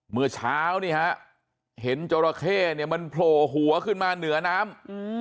เมื่อเช้านี่ฮะเห็นจราเข้เนี่ยมันโผล่หัวขึ้นมาเหนือน้ำ